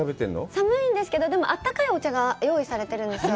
寒いんですけど、でもあったかいお茶が用意されているんですよ。